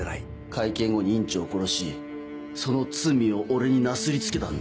会見後に院長を殺しその罪を俺になすり付けたんだ。